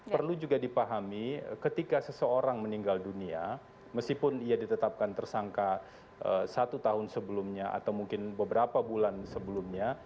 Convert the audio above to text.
perlu juga dipahami ketika seseorang meninggal dunia meskipun ia ditetapkan tersangka satu tahun sebelumnya atau mungkin beberapa bulan sebelumnya